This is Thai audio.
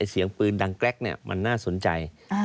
เสียงปืนดังแกรกมันน่าสนใจ